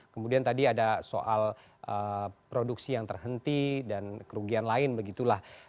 kemudian tadi ada soal produksi yang terhenti dan kerugian lain begitulah